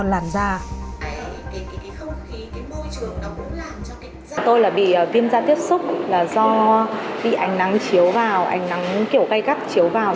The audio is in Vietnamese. làn da tôi là bị viêm da tiếp xúc là do bị ánh nắng chiếu vào ảnh nắng kiểu cây cắt chiếu vào